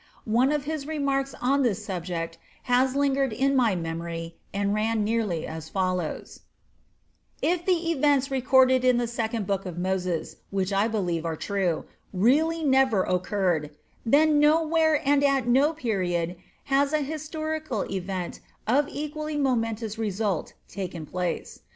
One of his remarks on this subject has lingered in my memory and ran nearly as follows: "If the events recorded in the Second Book of Moses which I believe are true really never occurred, then nowhere and at no period has a historical event of equally momentous result taken place.